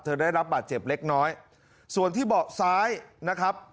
ได้รับบาดเจ็บเล็กน้อยส่วนที่เบาะซ้ายนะครับ